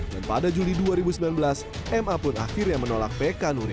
dan pada juli dua ribu sembilan belas ma pun akhirnya menolak pk nuril